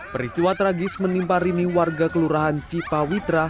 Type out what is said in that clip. peristiwa tragis menimpa rini warga kelurahan cipawitra